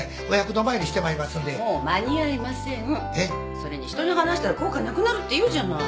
それに人に話したら効果なくなるっていうじゃない。